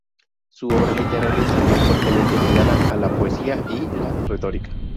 Su obra literaria se vio fuertemente ligada a la poesía y la retórica.